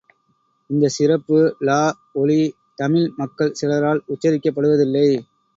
இந்தச் சிறப்பு ழ —ஒலி—தமிழ் மக்கள் சிலரால் உச்சரிக்கப்படுவதில்லை.